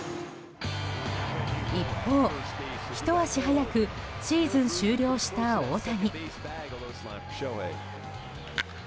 一方、ひと足早くシーズン終了した大谷。